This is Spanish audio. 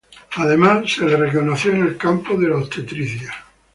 Además fue reconocido en el campo de la obstetricia.